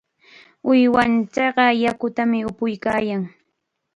Uywanchikqa yakutam upuykaayan.